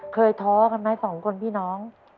ท้อกันไหมสองคนพี่น้อง